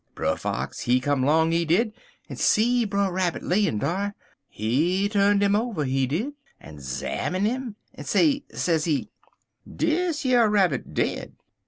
Brer Fox he come 'long, he did, en see Brer Rabbit layin' dar. He tu'n 'im over, he did, en 'zamine 'im, en say, sezee: "'Dish yer rabbit dead.